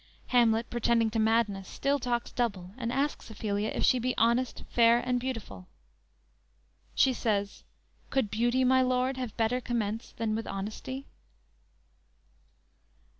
Hamlet pretending to madness still talks double and asks Ophelia if she be honest, fair and beautiful. She says: "Could beauty, my lord, have better commerce than with honesty?"